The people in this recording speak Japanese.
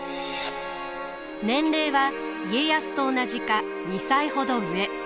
年齢は家康と同じか２歳ほど上。